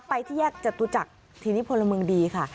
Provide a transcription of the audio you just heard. ไปที่แยกจตุจักรทีนี้พลเมืองดีค่ะ